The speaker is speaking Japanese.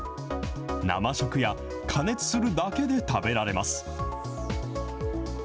生食や加熱するだけで食べられます。